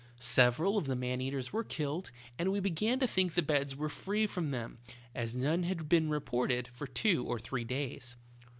Several of the man eaters were killed, and we began to think the beds were free from them, as none had been reported for two or three days.